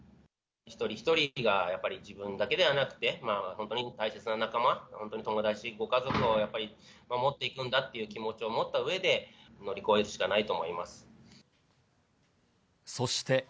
一人一人がやっぱり自分だけではなくて、本当に大切な仲間、友達、ご家族をやっぱり守っていくんだっていう気持ちを持ったうえで乗そして。